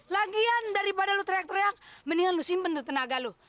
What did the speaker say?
lagian daripada lo teriak teriak mendingan lo simpen tuh tenaga lo